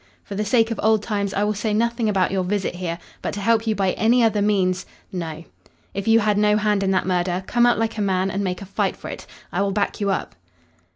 For the sake of old times I will say nothing about your visit here, but to help you by any other means no. If you had no hand in that murder, come out like a man and make a fight for it. I will back you up."